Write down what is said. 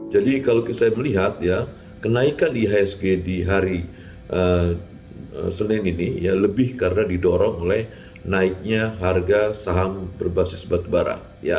jadi kalau saya melihat ya kenaikan ihsg di hari senin ini lebih karena didorong oleh naiknya harga saham berbasis batubara